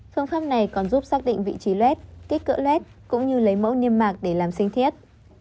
phương pháp này còn giúp xác định vị trí lét kích cỡ led cũng như lấy mẫu niêm mạc để làm sinh thiết